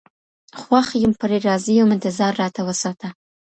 خوښ يم پرې راضي يم انتـظارراتـــه وساته